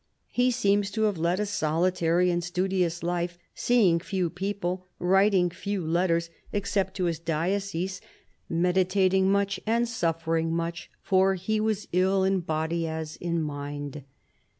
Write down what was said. He seeems to have led a solitary and studious life, seeing few people, writing few letters except to his diocese, medi THE BISHOP OF LUgON 109 tating much and suffering much, for he was ill in body as in mind.